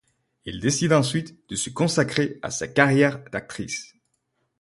Elle décide ensuite de se consacrer à sa carrière d'actrice.